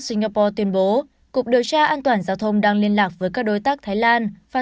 singapore tuyên bố cục điều tra an toàn giao thông đang liên lạc với các đối tác thái lan và